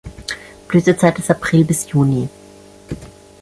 Blütezeit ist April bis Juni.